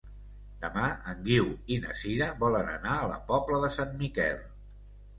Demà en Guiu i na Sira volen anar a la Pobla de Sant Miquel.